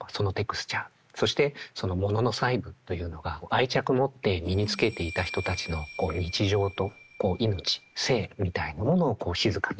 そしてそのモノの細部というのが愛着持って身につけていた人たちの日常と命生みたいなものを静かによみがえらす。